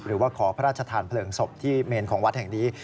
หรือว่าขอพระราชทานเพลิงศพที่เมนของวัดแห่งนี้